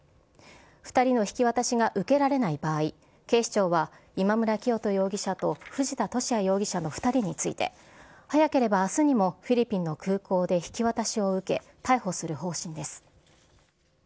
２人の引き渡しが受けられない場合、警視庁は今村磨人容疑者と藤田聖也容疑者の２人について、早ければあすにも、フィリピンの空港で引き渡しを受け、逮捕する方針です。